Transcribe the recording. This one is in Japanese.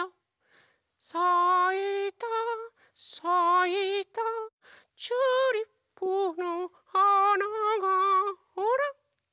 「さいたさいたチューリップのはなが」ほらきれいでしょ